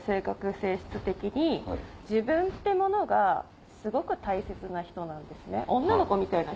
性質的に自分ってものがすごく大切な人なんですね。